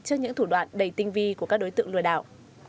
trước những thủ đoạn đầy tinh vi của các đối tượng lừa đảo